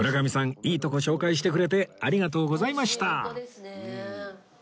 いいとこ紹介してくれてありがとうございました！